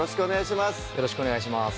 よろしくお願いします